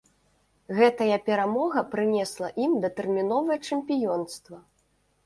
Гэтая перамога прынесла ім датэрміновае чэмпіёнства.